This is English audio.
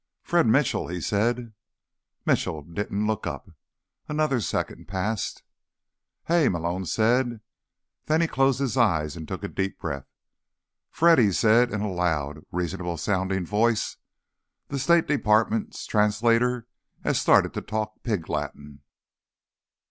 "Fred Mitchell," he said. Mitchell didn't look up. Another second passed. "Hey," Malone said. Then he closed his eyes and took a deep breath. "Fred," he said in a loud, reasonable sounding voice, "the State Department's translator has started to talk pig Latin."